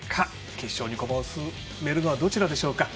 決勝に駒を進めるのはどちらでしょうか。